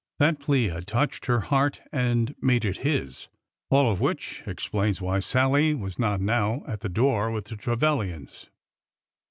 That plea had touched her heart and made it his. All of which explains why Sallie was not now at the door with the Trevilians.